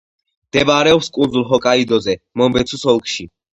მდებარეობს კუნძულ ჰოკაიდოზე, მონბეცუს ოლქში.